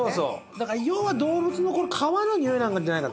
だから要は動物の皮の臭いなんじゃないか。